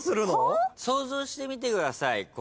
想像してみてください。